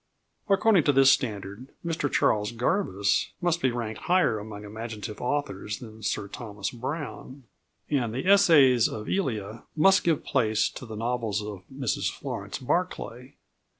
According to this standard, Mr Charles Garvice must be ranked higher among imaginative authors than Sir Thomas Browne, and the Essays of Elia must give place to the novels of Mrs Florence Barclay.